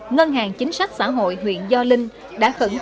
ngân hàng chính sách xã hội huyện gio linh đã khẩn trương